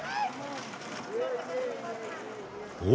お？